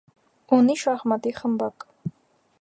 Ունի շախմատի խմբակ։